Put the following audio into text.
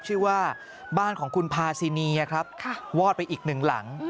ชื่อว่าบ้านของคุณพาซินีครับวอดไปอีกหนึ่งหลัง